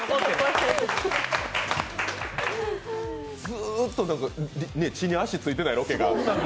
ずっと地に足ついてないロケが。